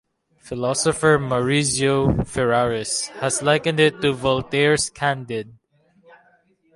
Philosopher Maurizio Ferraris has likened it to Voltaire's Candide.